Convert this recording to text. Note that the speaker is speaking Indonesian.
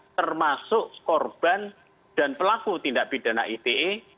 termasuk korban dan pelaku tindak pidana ite